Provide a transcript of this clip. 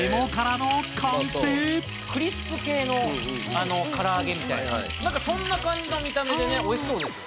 クリスプ系のから揚げみたいなやつ何かそんな感じの見た目でねおいしそうですよね。